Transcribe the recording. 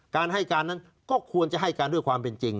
การให้การนั้นก็ควรจะให้การด้วยความเป็นจริง